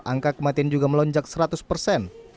angka kematian juga melonjak seratus persen